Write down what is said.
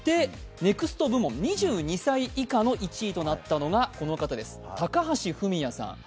ＮＥＸＴ部門、２６歳以下の１位となったのが、この方、高橋文哉さん。